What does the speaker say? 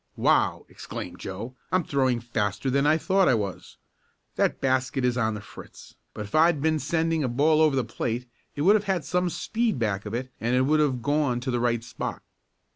"Wow!" exclaimed Joe. "I'm throwing faster than I thought I was. That basket is on the fritz. But if I'd been sending a ball over the plate it would have had some speed back of it, and it would have gone to the right spot."